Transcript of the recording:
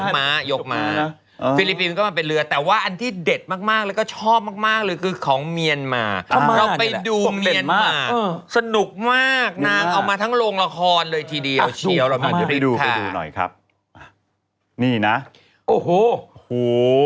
มันเป็นเลือกแต่ว่าอันที่เด็ดมากแล้วก็ชอบมากเลยคือของเมียนมากเขาไปดูเมียนมากสนุกมากน้างเอามาทั้งลงละครเลยทีเดียวเชียวนะครับนี่นะโอ้โห